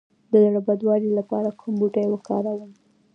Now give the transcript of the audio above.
د زړه بدوالي لپاره کوم بوټی وکاروم؟